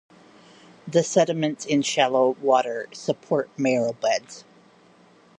The sediments in shallow water support Maerl beds.